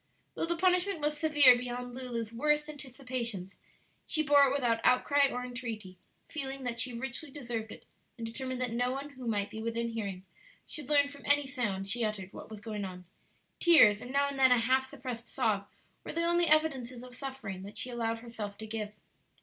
Though the punishment was severe beyond Lulu's worst anticipations, she bore it without outcry or entreaty, feeling that she richly deserved it, and determined that no one who might be within hearing should learn from any sound she uttered what was going on. Tears and now and then a half suppressed sob were the only evidences of suffering that she allowed herself to give.